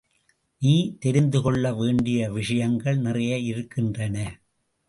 நீ தெரிந்துகொள்ள வேண்டிய விஷயங்கள் நிறைய இருக்கின்றன.